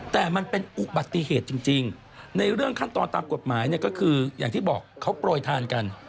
แต่มันเป็นอุบัติเหตุจริงในเรื่องขั้นตอนตามกฎหมายเนี่ยก็คืออย่างที่บอกเขาโปรยทานกัน